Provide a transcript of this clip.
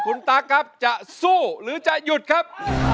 คุณตั๊กครับจะสู้หรือจะหยุดครับ